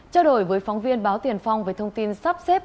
trao đổi với phóng viên báo tiền phong về thông tin sắp xếp